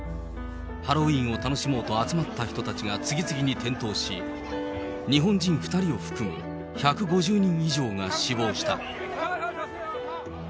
ハロウィーンを楽しもうと集まった人たちが次々に転倒し、日本人２人を含む１５０人以上が死亡した。